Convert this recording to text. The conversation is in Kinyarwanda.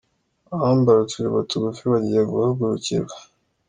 Abambara utujipo tugufi bagiye guhagurukirwa